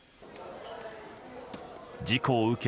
事故を受け